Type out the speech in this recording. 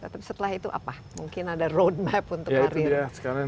tapi setelah itu apa mungkin ada road map untuk karir atlet